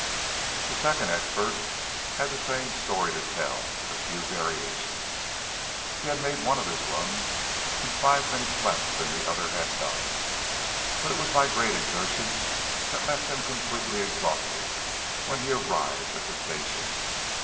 The second expert had the same story to tell, with a few variations. He had made one of his runs in five minutes less than the other had done, but it was by a great exertion that left him completely exhausted when he arrived at the station.